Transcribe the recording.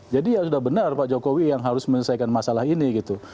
jadi ya sudah benar pak jokowi yang harus menyelesaikan masalah ini gitu